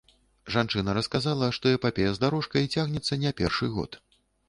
Жанчына расказала, што эпапея з дарожкай цягнецца не першы год.